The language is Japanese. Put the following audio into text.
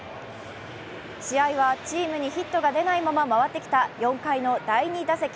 試合は、チームにヒットが出ないまま回ってきた４回の第２打席。